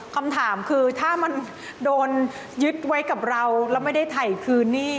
คำถามคือถ้ามันโดนยึดไว้กับเราแล้วไม่ได้ถ่ายคืนนี่